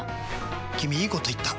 君いいこと言った！